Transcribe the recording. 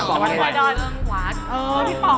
โรงเรียน